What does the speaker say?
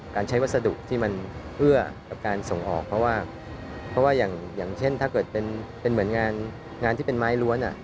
การใช้วัสดุที่มันเอื้อกับการส่งออกเพราะว่าเพราะว่าอย่างเช่นถ้าเกิดเป็นเหมือนงานที่เป็นไม้ล้วน